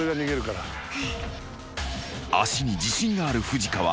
［足に自信がある藤川］